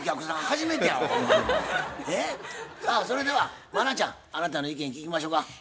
さあそれでは茉奈ちゃんあなたの意見聞きましょか。